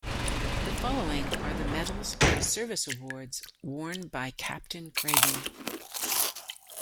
The following are the medals and service awards worn by Captain Cragen.